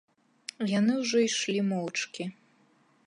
Яны ўжо ішлі моўчкі.